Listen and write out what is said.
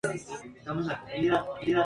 La novela “The pearls of Ms.